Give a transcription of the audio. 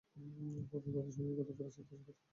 পথে তাঁদের সঙ্গে কতিপয় ফেরেশতার সাক্ষাৎ ঘটে।